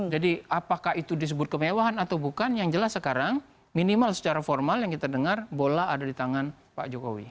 jadi apakah itu disebut kemewahan atau bukan yang jelas sekarang minimal secara formal yang kita dengar bola ada di tangan pak jokowi